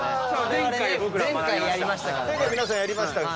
前回皆さんやりました。